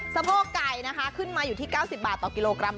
สะโพกไก่นะคะขึ้นมาอยู่ที่๙๐บาทต่อกิโลกรัม